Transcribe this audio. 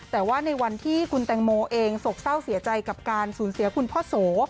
แต่ว่าในวันที่คุณแตงโมเองโศกเศร้าเสียใจกับการสูญเสียคุณพ่อโส